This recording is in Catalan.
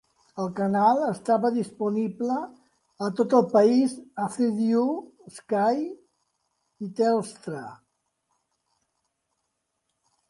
El canal estava disponible a tot el país a Freeview, Sky i Telstra.